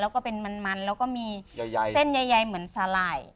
แล้วก็เป็นมันแล้วก็มีเส้นใหญ่เหมือนสาหร่าย